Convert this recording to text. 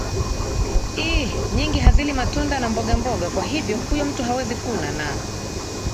ii nyingi hazili matunda na mboga mboga kwa hivyo huyo mtu hawezi kuna na